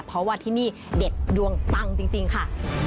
เพราะว่าที่นี่เด็ดดวงปังจริงค่ะ